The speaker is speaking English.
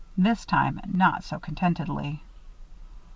This time not so contentedly.